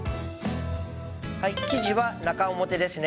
はい生地は中表ですね。